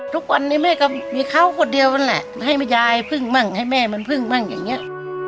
ทุกวันนี้แม่ก็มีเขาคนเดียวนั่นแหละให้แม่ยายพึ่งมั่งให้แม่มันพึ่งมั่งอย่างนี้